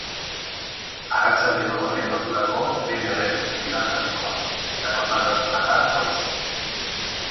Arratsaldeko lehen ordurako bere onera itzuli da trafikoa, eta normaltasuna da nagusi.